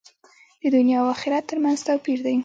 د دنیا او آخرت تر منځ توپیر دی.